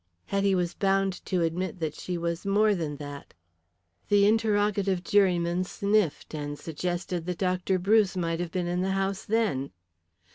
Hetty was bound to admit that she was more than that. The interrogative juryman sniffed and suggested that Dr. Bruce might have been in the house then.